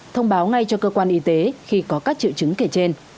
thông báo ngay cho cơ quan y tế khi có các triệu chứng kể trên